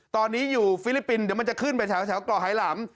ตอนนี้อยู่ฟิลิปปินส์เดี๋ยวมันจะขึ้นไปแถวก่อไฮหลำ